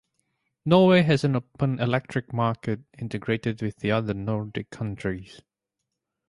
Norway has an open electric market, integrated with the other Nordic countries.